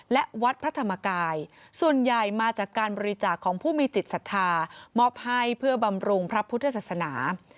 และวัดพระธรรมกายส่วนใหญ่มาจากการบริจาคของผู้มีจิตศรัทธามอบให้เพื่อบำรุงพระพุทธศาสนา